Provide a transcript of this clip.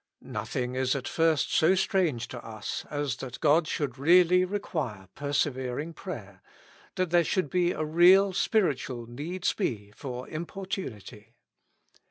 Nothing is at first so strange to us as that God should really require persevering prayer, that there should be a real spiritual needs be for impor tunity.